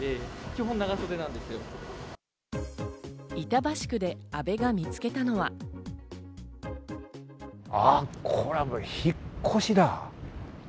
板橋区で阿部が見つけたのはこれ、引っ越しだ。